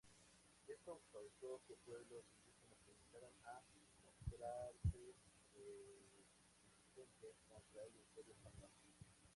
Esto causó que pueblos indígenas comenzaran a mostrarse reticentes contra el Imperio español.